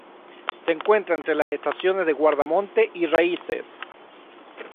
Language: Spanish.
Se encuentra entre las estaciones de Guardamonte y Raíces.